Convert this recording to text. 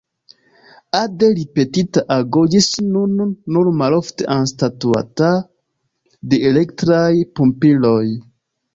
Ade ripetita ago, ĝis nun nur malofte anstataŭata de elektraj pumpiloj.